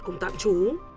cùng tạm trú